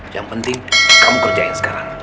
yang penting kamu kerjain sekarang